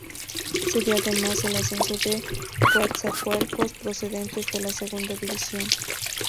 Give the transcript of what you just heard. Se dio además el ascenso de Coatzacoalcos procedentes de la Segunda División.